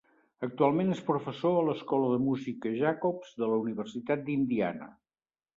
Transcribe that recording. Actualment és professor a l'Escola de Música Jacobs de la Universitat d'Indiana.